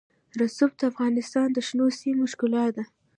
رسوب د افغانستان د شنو سیمو ښکلا ده.